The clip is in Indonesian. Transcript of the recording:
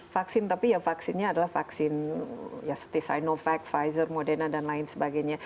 vaksin tapi ya vaksinnya adalah vaksin ya seperti sinovac pfizer moderna dan lain sebagainya